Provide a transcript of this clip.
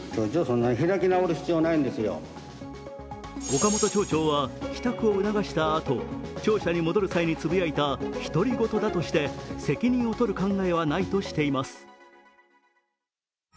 岡本町長は、帰宅を促したあと庁舎に戻る際につぶやいた独り言だとして、責任を取る考えはないとしています。